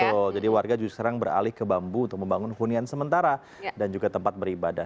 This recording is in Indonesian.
betul jadi warga justru beralih ke bambu untuk membangun hunian sementara dan juga tempat beribadah